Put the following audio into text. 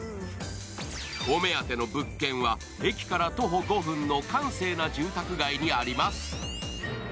お目当ての物件は駅から徒歩５分の閑静な住宅街にあります。